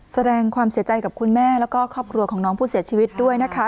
แสดงความเสียใจกับคุณแม่แล้วก็ครอบครัวของน้องผู้เสียชีวิตด้วยนะคะ